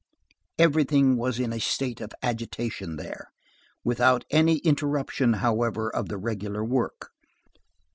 Everything was in a state of agitation there, without any interruption, however, of the regular work.